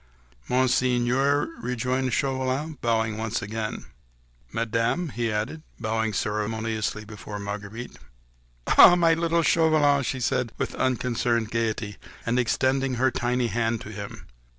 "Monseigneur," rejoined Chauvelin, bowing once again. "Madame," he added, bowing ceremoniously before Marguerite. "Ah! my little Chauvelin!" she said with unconcerned gaiety, and extending her tiny hand to him.